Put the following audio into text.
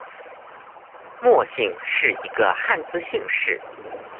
莫姓是一个汉字姓氏。